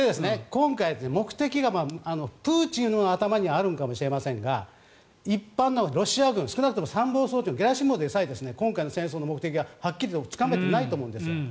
今回、目的がプーチンの頭にはあるのかもしれませんが一般のロシア軍少なくとも参謀総長のゲラシモフでさえ今回の戦争の目的がはっきりとつかめていないと思うんですよ。